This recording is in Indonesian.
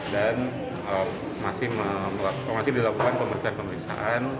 dan masih dilakukan pemeriksaan pemeriksaan